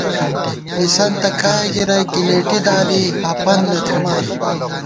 مسَنتہ کائے گِرَئی گِلېٹی دالی ہپَن نہ تھِمان